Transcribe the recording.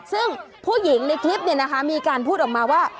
ซึ่งผู้หญิงในคลิปมีการพูดออกมาว่า